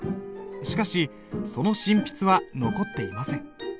しかしその真筆は残っていません。